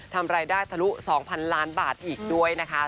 ทำรายได้ทะลุ๒๐๐๐ล้านบาทอีกด้วยนะคะ